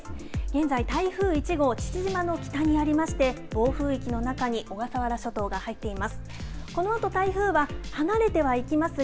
現在、台風１号、父島の北にありまして、暴風域の中に小笠原諸島が入っています。